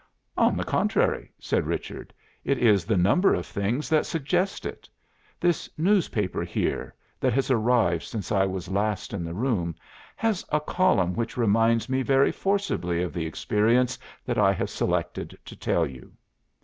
"On the contrary," said Richard, "it is the number of things that suggest it. This newspaper here, that has arrived since I was last in the room, has a column which reminds me very forcibly of the experience that I have selected to tell you.